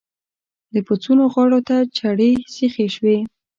د پسونو غاړو ته چړې سيخې شوې.